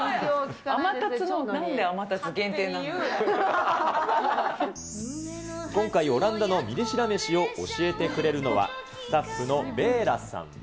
アマタツの、今回、オランダのミリ知ら飯を教えてくれるのは、スタッフのヴェーラさん。